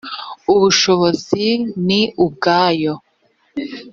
ubushobozi ni ubwayo